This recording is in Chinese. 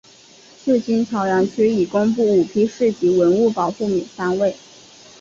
至今潮阳区已公布五批市级文物保护单位。